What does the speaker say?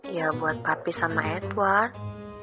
ya buat papi sama edward